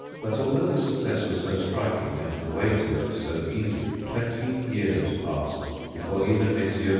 But although the success was so striking, and the way to it so easy, twenty years passed before even Messrs.